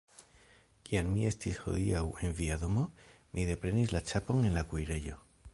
Kiam mi estis hodiaŭ en via domo, mi deprenis la ĉapon en la kuirejo.